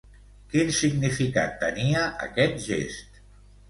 Quin significat tenia aquest gest?